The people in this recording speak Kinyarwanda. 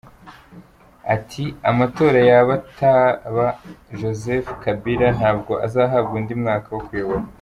Ati” Amatora yaba ataba, Joseph Kabila ntabwo azahabwa undi mwaka wo kuyobora.